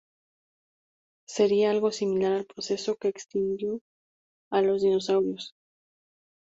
Sería algo similar al proceso que extinguió a los dinosaurios.